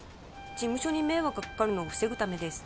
事務所に迷惑がかかるのを防ぐためです